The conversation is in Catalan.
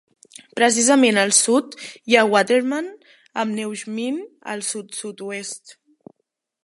Precisament al sud hi ha Waterman, amb Neujmin al sud-sud-oest.